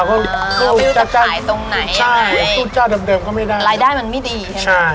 ก็ไม่รู้จะขายตรงไหนใช่สู้ใจเดิมก็ไม่ได้รายได้มันไม่ดีใช่ไหม